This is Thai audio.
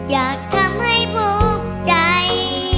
อยากทำให้ปลูกใจ